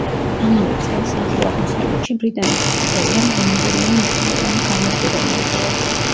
ამავე წელს, ახლო აღმოსავლეთში ბრიტანეთის იმპერიამ რამდენიმე მნიშვნელოვანი გამარჯვება მოიპოვა.